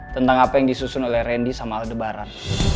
tentang apa yang disusun oleh randy sama aldebaran